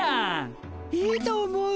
いいと思う！